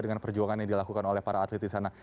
dengan perjuangan yang dilakukan oleh para atlet di sana